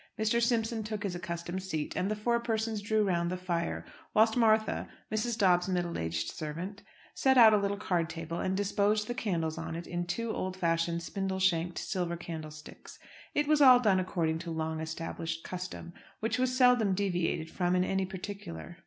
Mr. Simpson took his accustomed seat, and the four persons drew round the fire, whilst Martha, Mrs. Dobbs's middle aged servant, set out a little card table, and disposed the candles on it in two old fashioned, spindle shanked, silver candlesticks. It was all done according to long established custom, which was seldom deviated from in any particular.